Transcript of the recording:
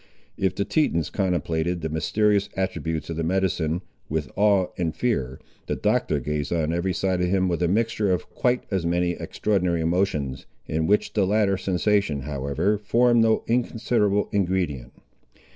If the Tetons contemplated the mysterious attributes of the medicine, with awe and fear, the Doctor gazed on every side of him, with a mixture of quite as many extraordinary emotions, in which the latter sensation, however, formed no inconsiderable ingredient.